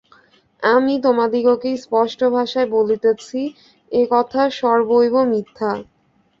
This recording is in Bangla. আমি তোমাদিগকে স্পষ্ট ভাষায় বলিতেছি, এ-কথা সর্বৈব মিথ্যা।